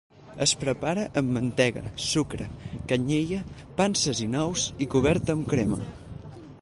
Es prepara amb mantega, sucre, canyella, panses i nous i cobert amb crema.